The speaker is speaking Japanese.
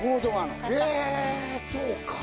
へー、そうか。